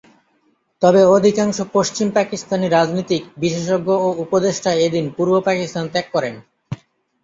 তবে অধিকাংশ পশ্চিম পাকিস্তানি রাজনীতিক, বিশেষজ্ঞ ও উপদেষ্টা এদিন পূর্ব পাকিস্তান ত্যাগ করেন।